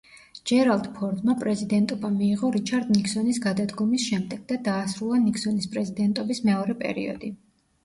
ჯერალდ ფორდმა პრეზიდენტობა მიიღო რიჩარდ ნიქსონის გადადგომის შემდეგ და დაასრულა ნიქსონის პრეზიდენტობის მეორე პერიოდი.